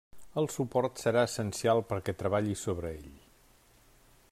El suport serà essencial perquè treballi sobre ell.